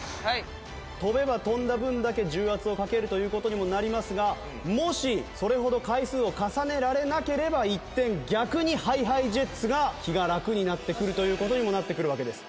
跳べば跳んだ分だけ重圧をかけるという事にもなりますがもしそれほど回数を重ねられなければ一転逆にＨｉＨｉＪｅｔｓが気がラクになってくるという事にもなってくるわけです。